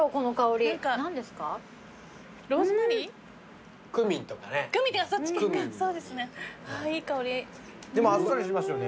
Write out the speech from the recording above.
でもあっさりしてますよね。